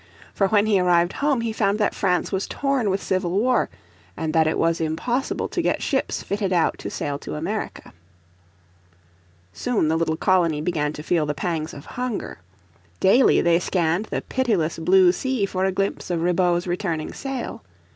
For when he arrived home he found that France was torn with civil war, and that it was impossible to get ships fitted out to sail to America. Soon the little colony began to feel the pangs of hunger. Daily they scanned the pitiless blue sea for a glimpse of Ribaut's returning sail.